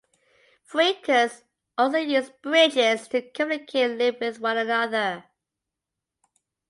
Phreakers also used "bridges" to communicate live with one another.